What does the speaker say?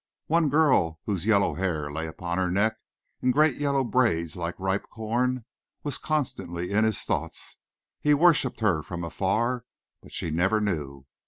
One girl whose yellow hair lay upon her neck in great yellow braids like ripe corn, was constantly in his thoughts. He worshiped her from afar but she never knew.